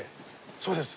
そうです。